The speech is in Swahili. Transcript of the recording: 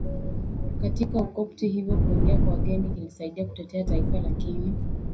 katika Ukopti Hivyo kuingia kwa wageni kulisaidia kutetea taifa lakini